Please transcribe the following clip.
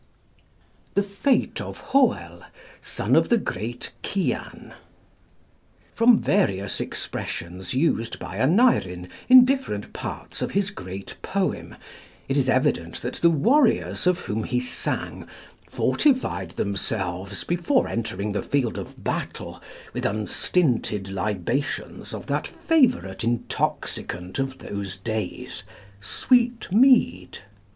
THE FATE OF HOEL, SON OF THE GREAT CIAN [From various expressions used by Aneurin in different parts of his great poem, it is evident that the warriors of whom he sang fortified themselves, before entering the field of battle, with unstinted libations of that favorite intoxicant of those days, sweet mead.